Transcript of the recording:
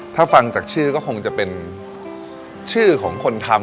ถ้าฟังจากชื่อก็คงจะเป็นชื่อของคนทำ